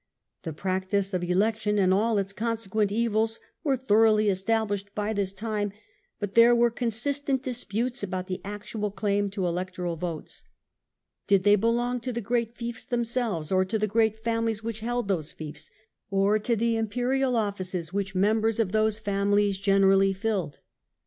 The practice of election and all its consequent evils were thoroughly established by this time, but there were constant disputes about the actual claim to Electoral votes. Did they belong to the great fiefs themselves, or to the great famihes which held those fiefs, or to the Imperial offices which members of those families generally filled